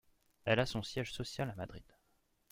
Elle a son siège social à Madrid.